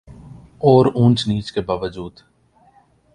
اور اونچ نیچ کے باوجود